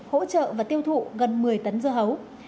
hỗ trợ và tiêu thụ gần một mươi tấn dưa hấu